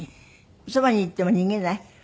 そばに行っても逃げない？